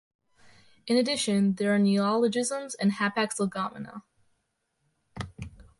In addition there are neologisms and hapax legomena.